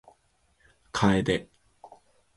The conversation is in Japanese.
楓